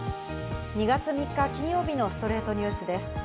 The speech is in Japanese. ２月３日、金曜日の『ストレイトニュース』です。